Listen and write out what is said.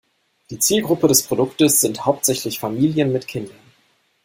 Die Zielgruppe des Produktes sind hauptsächlich Familien mit Kindern.